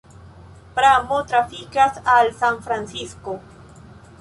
Pramo trafikas al San Francisco.